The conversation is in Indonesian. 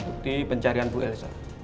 bukti pencarian bu elsa